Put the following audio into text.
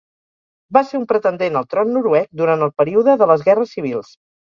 Va ser un pretendent al tron noruec durant el període de les Guerres Civils.